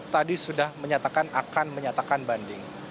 tadi sudah menyatakan akan menyatakan banding